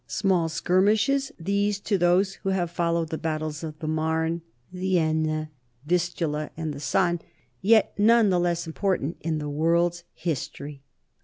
Small skirmishes these, to those who have followed the battles of the Marne, the Aisne, the Vistula, and the San, yet none the less important in the world's history!